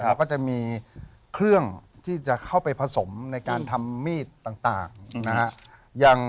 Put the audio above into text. เราก็จะมีเครื่องที่จะเข้าไปผสมในการทำมีดต่างนะฮะ